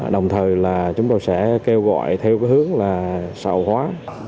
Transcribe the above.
đồng thời là chúng tôi sẽ kêu gọi theo hướng sạo hóa